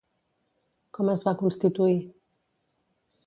Com es va constituir?